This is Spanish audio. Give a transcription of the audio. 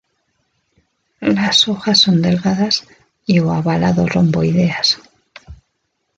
Las hojas son delgadas y oavalado-romboideas.